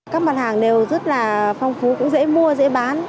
các mặt hàng đều rất là phong phú cũng dễ mua dễ bán